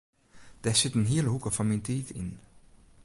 Dêr sit in hiele hoeke fan myn tiid yn.